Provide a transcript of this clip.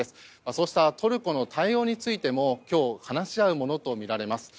そうしたトルコの対応についても今日、話し合うものとみられます。